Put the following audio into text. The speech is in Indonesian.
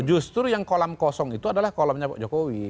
justru yang kolam kosong itu adalah kolamnya pak jokowi